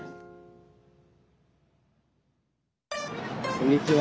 こんにちは。